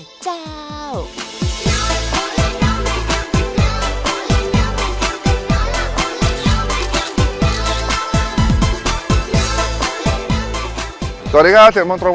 เฮียน้อสุดหล่อของเรายืนรออยู่ที่ประตูท่าแผล่ะจ้าวไปสืบสาวราวเส้นพร้อมกันนะจ้าว